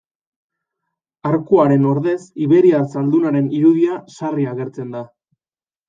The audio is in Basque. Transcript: Arkuaren ordez, iberiar zaldunaren irudia sarri agertzen da.